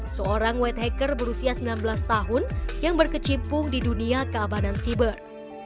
seorang white hacker berusia sembilan belas tahun yang berkecimpung di dunia keamanan siber